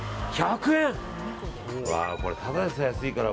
１００円？